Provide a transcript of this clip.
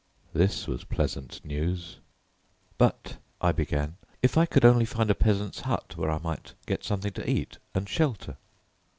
This was pleasant news. "But," I began, "if I could only find a peasant's hut where I might get something to eat, and shelter."